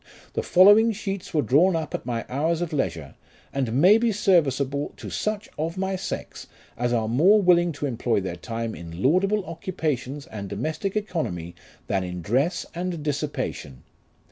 The following sheets were drawn up at my hours of leisure, and may be serviceable to such of my sex as are more willing to employ their time in laudable occupations and domestic economy, than in dress and dissipation.